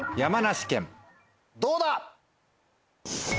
どうだ？